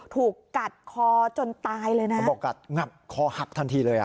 ถูกกัดคอจนตายเลยนะเขาบอกกัดงับคอหักทันทีเลยอ่ะ